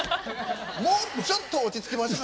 もうちょっと落ち着きましょ！